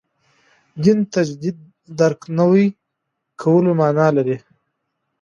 دین تجدید درک نوي کولو معنا لري.